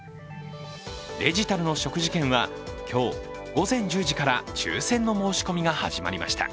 デジタルの食事券は今日、午前１０時から抽選の申し込みが始まりました。